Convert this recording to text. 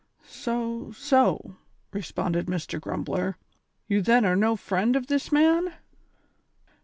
"So, so," responded Mr. Grumbler; "you then are no friend of this man